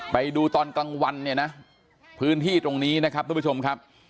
ไปดูตอนกลางวันเนี่ยนะพื้นที่ตรงนี้นะครับทุกผู้ชมครับ